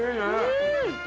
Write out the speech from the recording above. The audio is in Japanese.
うん！